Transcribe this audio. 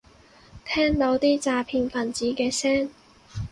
聽到啲詐騙份子嘅聲